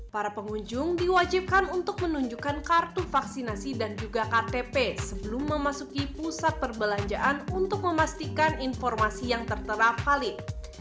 para pengunjung diwajibkan untuk menunjukkan kartu vaksinasi dan juga ktp sebelum memasuki pusat perbelanjaan untuk memastikan informasi yang tertera valid